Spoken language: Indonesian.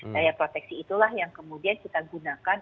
daya proteksi itulah yang kemudian kita gunakan